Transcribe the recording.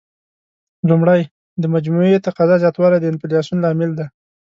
لومړی: د مجموعي تقاضا زیاتوالی د انفلاسیون لامل دی.